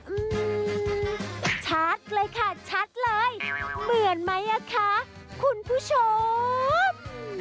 อืมชัดเลยค่ะชัดเลยเหมือนไหมอ่ะคะคุณผู้ชม